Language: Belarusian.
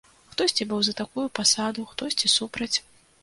Хтосьці быў за такую пасаду, хтосьці супраць.